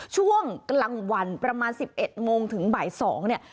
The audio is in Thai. ช่วงกลางวันประมาณสิบเอ็ดโมงถึงบ่ายสองเนี่ย